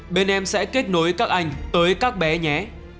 bên em sẽ kết nối các anh tới các bé nhé